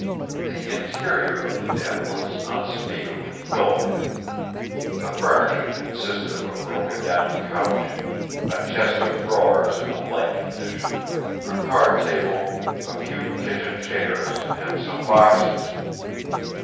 The interior of the den was unspeakably filthy. The furniture consisted of a broken down couch, a chest of drawers in a like condition, a card table, a few kitchen chairs, and some boxes.